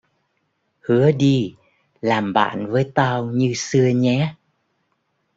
hứa đi làm bạn với tao như xưa nhé